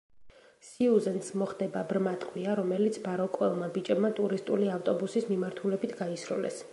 სიუზენს მოხდება ბრმა ტყვია, რომელიც მაროკოელმა ბიჭებმა ტურისტული ავტობუსის მიმართულებით გაისროლეს.